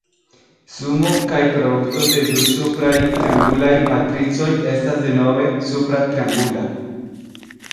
Sumo kaj produto de du supraj triangulaj matricoj estas denove supra triangula.